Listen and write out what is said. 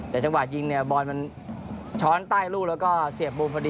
แต่จังหวะยิงเนี่ยบอลมันช้อนใต้ลูกแล้วก็เสียบบูมพอดี